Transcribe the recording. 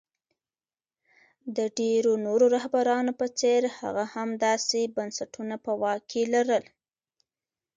د ډېرو نورو رهبرانو په څېر هغه هم داسې بنسټونه په واک کې لرل.